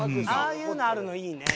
「ああいうのあるのいいね」